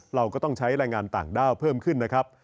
เราก็ต้องใช้แรงงานต่างด้าวเพิ่มขึ้นนะครับ